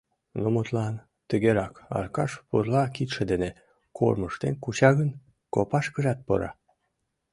Ну, мутлан, тыгерак: Аркаш пурла кидше дене кормыжтен куча гын, копашкыжат пура.